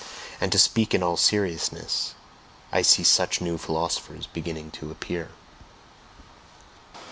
And to speak in all seriousness, I see such new philosophers beginning to appear.